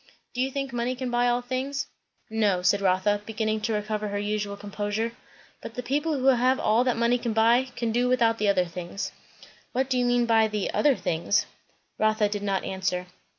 "Do you think money can buy all things?" "No," said Rotha, beginning to recover her usual composure; "but the people who have all that money can buy, can do without the other things." "What do you mean by the 'other things'?" Rotha did not answer.